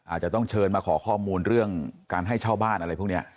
อาจจะต้องเชิญมาขอข้อมูลเรื่องการให้เช่าบ้านอะไรพวกนี้